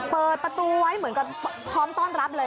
เปิดประตูไว้เหมือนกับพร้อมต้อนรับเลย